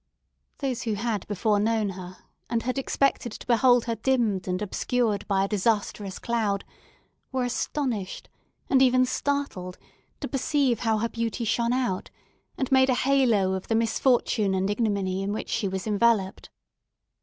Those who had before known her, and had expected to behold her dimmed and obscured by a disastrous cloud, were astonished, and even startled, to perceive how her beauty shone out, and made a halo of the misfortune and ignominy in which she was enveloped.